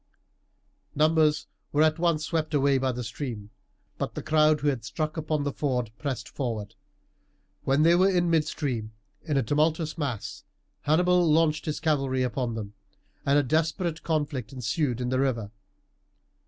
Numbers were at once swept away by the stream, but the crowd who had struck upon the ford pressed forward. When they were in midstream in a tumultuous mass Hannibal launched his cavalry upon them, and a desperate conflict ensued in the river.